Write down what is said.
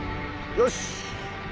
よし！